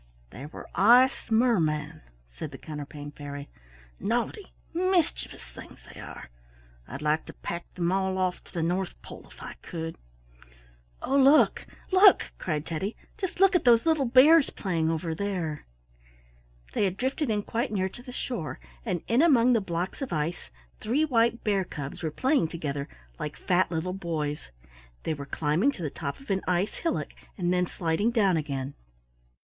"They were ice mermen," said the Counterpane Fairy. "Naughty, mischievous things they are. I'd like to pack them all off to the North Pole if I could." "Oh, look! look!" cried Teddy. "Just look at those little bears playing over there." They had drifted in quite near to the shore, and in among the blocks of ice three white bear cubs were playing together like fat little boys. They were climbing to the top of an ice hillock and then sliding down again.